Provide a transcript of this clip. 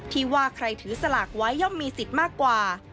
ที่ว่าใครถือสลากไว้ย่อมมีสิทธิ์มากกว่า